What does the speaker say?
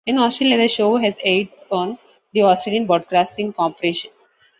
In Australia, the show has aired on the Australian Broadcasting Corporation.